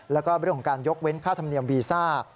แล้วก็เรื่องของการยกเว้นค่าธรรมเนียมวีซ่า